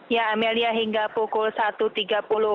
ya amelia hingga pukul tujuh malam